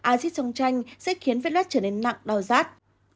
acid trong chanh sẽ khiến vết loét trở nên nặng đau rát